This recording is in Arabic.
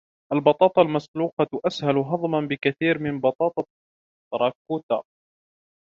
البطاطا المسلوقة أسهل هضما بكثير من بطاطا التراكوتا.